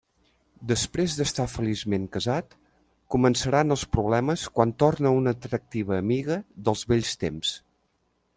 Després d'estar feliçment casat, començaran els problemes quan torna una atractiva amiga dels vells temps.